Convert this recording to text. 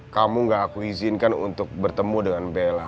kamu gak aku izinkan untuk bertemu dengan bella